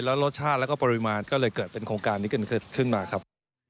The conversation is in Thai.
แล้วรสชาติแล้วก็ปริมาณก็เลยเกิดเป็นโครงการนี้กันขึ้นมาครับ